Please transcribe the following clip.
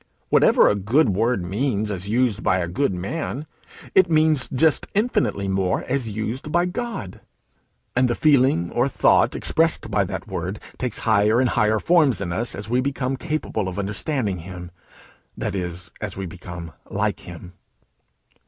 Whatever a good word means, as used by a good man, it means just infinitely more as used by God. And the feeling or thought expressed by that word takes higher and higher forms in us as we become capable of understanding him, that is, as we become like him.